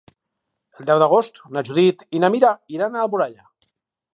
El deu d'agost na Judit i na Mira iran a Alboraia.